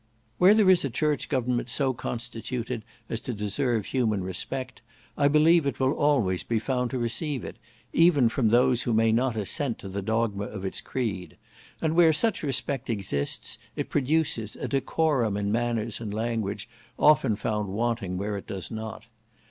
Where there is a church government so constituted as to deserve human respect, I believe it will always be found to receive it, even from those who may not assent to the dogma of its creed; and where such respect exists, it produces a decorum in manners and language often found wanting where it does not.